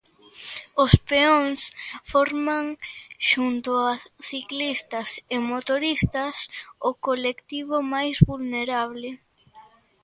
Os peóns forman, xunto a ciclistas e motoristas, o colectivo máis vulnerable.